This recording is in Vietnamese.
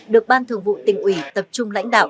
được ban thường vụ tỉnh ủy tập trung lãnh đạo